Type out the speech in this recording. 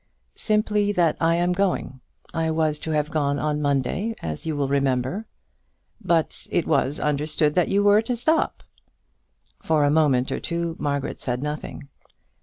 "Simply that I am going. I was to have gone on Monday, as you will remember." "But it was understood that you were to stop." For a moment or two Margaret said nothing.